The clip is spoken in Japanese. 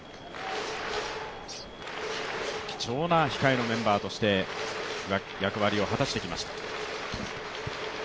貴重な控えのメンバーとして役割を果たしてきました。